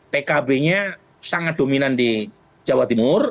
pkb nya sangat dominan di jawa timur